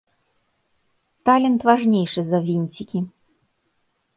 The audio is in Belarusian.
Талент важнейшы за вінцікі.